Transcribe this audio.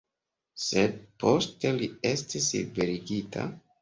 Sed poste li estis liberigita.